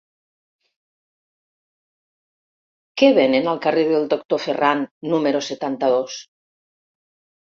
Què venen al carrer del Doctor Ferran número setanta-dos?